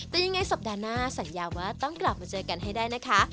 แต่ยังไงสัปดาห์หน้าสัญญาว่าต้องกลับมาเจอกันให้ได้นะคะ